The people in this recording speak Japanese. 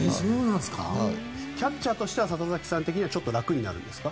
キャッチャーとしては里崎さん的にはちょっと楽になるんですか？